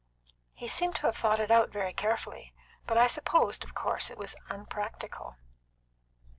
"He seemed to have thought it out very carefully. But I supposed, of course, it was unpractical."